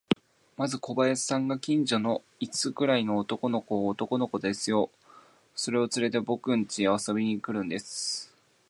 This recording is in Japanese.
まず小林さんが、近所の五つくらいの男の子を、男の子ですよ、それをつれて、ぼくんちへ遊びに来るんです。